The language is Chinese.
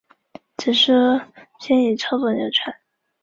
他已经结婚并有三个孩子。